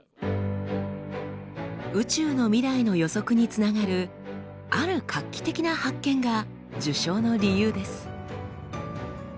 宇宙の未来の予測につながるある画期的な発見が受賞の理由です。